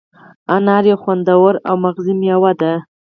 انار یو خوندور او مغذي مېوه ده.